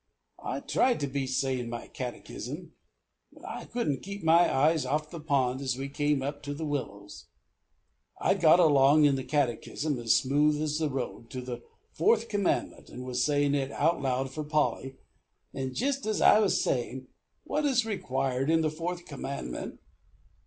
I tried to be sayin' my catechism, but I couldn't keep my eyes off the pond as we came up to the willows. I'd got along in the catechism, as smooth as the road, to the Fourth Commandment, and was sayin' it out loud for Polly, and jist as I was sayin': '_What is required in the Fourth Commandment?